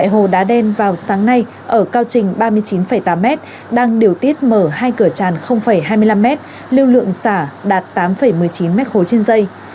hồ đá đen vào sáng nay ở cao trình ba mươi chín tám m đang điều tiết mở hai cửa tràn hai mươi năm m lưu lượng xả đạt tám một mươi chín m ba trên dây